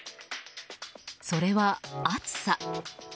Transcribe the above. それは暑さ。